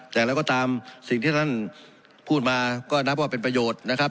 แต่เราก็ตามสิ่งที่ท่านพูดมาก็นับว่าเป็นประโยชน์นะครับ